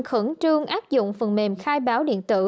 khẩn trương áp dụng phần mềm khai báo điện tử